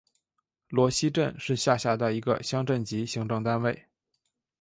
罗溪镇是下辖的一个乡镇级行政单位。